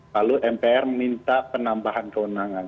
lalu mpr minta penambahan kewenangan